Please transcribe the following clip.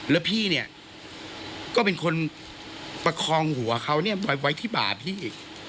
แล้วพี่เนี่ยก็เป็นคนประคองหัวเขาเนี่ยไว้ที่บ่าพี่อีก